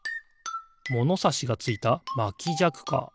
ものさしがついたまきじゃくか。